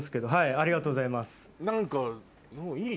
ありがとうございます。